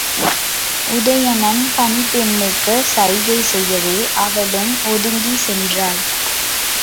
உதயணன் பணிப் பெண்ணுக்குச் சைகை செய்யவே அவளும் ஒதுங்கிச் சென்றாள்.